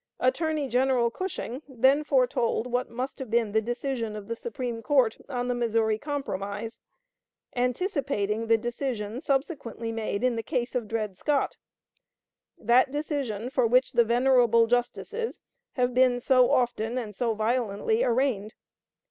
Attorney General Cushing then foretold what must have been the decision of the Supreme Court on the Missouri Compromise, anticipating the decision subsequently made in the case of Dred Scott; that decision for which the venerable justices have been so often and so violently arraigned.